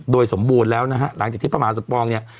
โดยสมบูรณ์แล้วนะฮะหลังจากที่พระมหาสมปองเนี่ย